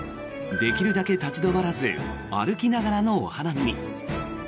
できるだけ立ち止まらず歩きながらのお花見に。